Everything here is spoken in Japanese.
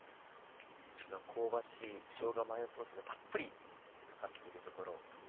では香ばしいしょうがマヨソースがたっぷりかかっている所を。